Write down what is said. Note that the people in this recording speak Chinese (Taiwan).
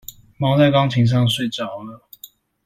貓在鋼琴上睡著了